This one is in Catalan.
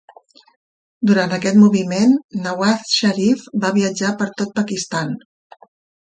Durant aquest moviment, Nawaz Sharif va viatjar per tot Pakistan.